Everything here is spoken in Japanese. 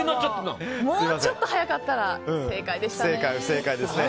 もうちょっと早かったら正解でしたね。